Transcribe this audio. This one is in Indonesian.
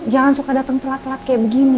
jangan suka datang telat telat kayak begini